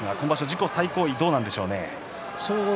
自己最高位どうなんでしょうね。